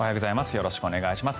よろしくお願いします。